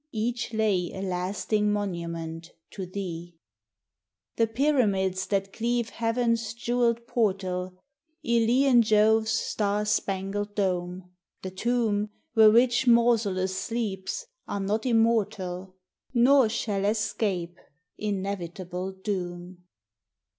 Each lay a lasting monument to thee ! The pyramids that cleave heaven's jewelled portal ; Elean Jove's star spangled dome ; the tomb Where rich Mausolus sleeps, — are not immortal, Nor shall escape inevitable doom.